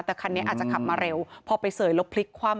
แต่คันนี้อาจจะขับมาเร็วพอไปเสยแล้วพลิกคว่ำ